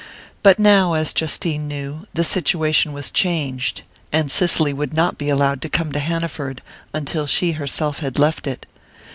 But now, as Justine knew, the situation was changed; and Cicely would not be allowed to come to Hanaford until she herself had left it.